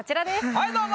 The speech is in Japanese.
はいどうぞ！